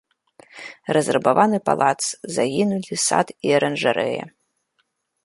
Разрабаваны палац, загінулі сад і аранжарэя.